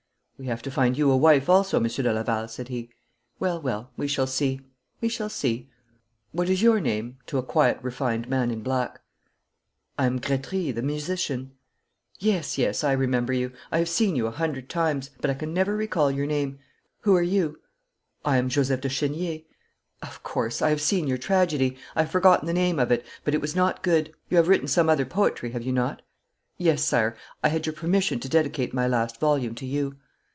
'We have to find you a wife also, Monsieur de Laval,' said he. 'Well, well, we shall see we shall see. What is your name?' to a quiet refined man in black. 'I am Gretry, the musician.' 'Yes, yes, I remember you. I have seen you a hundred times, but I can never recall your name. Who are you?' 'I am Joseph de Chenier.' 'Of course. I have seen your tragedy. I have forgotten the name of it, but it was not good. You have written some other poetry, have you not?' 'Yes, sire. I had your permission to dedicate my last volume to you.'